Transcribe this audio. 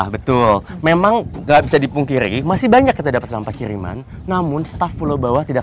betul memang nggak bisa dipungkiri masih banyak kita dapat sampah kiriman namun staff pulau bawah tidak